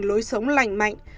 lối sống lành mạnh